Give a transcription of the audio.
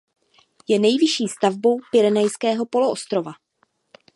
Je nejvyšší stavbou Pyrenejského poloostrova.